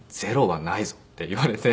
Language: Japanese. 「０はないぞ！」って言われて。